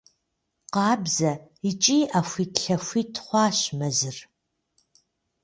Къабзэ икӏи ӏэхуит-лъэхуит хъуащ мэзыр.